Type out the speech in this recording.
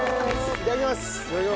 いただきます！